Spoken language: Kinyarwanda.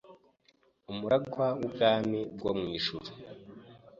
umuragwa w’ubwami bwo mu ijuru,